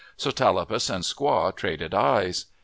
So Tallapus and Squaw traded eyes.